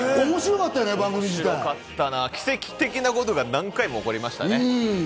面白か奇跡的なことが何回も起こりましたね。